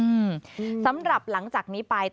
อืมสำหรับหลังจากนี้ไป